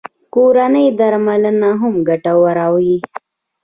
کورنۍ درملنه هم ګټوره وي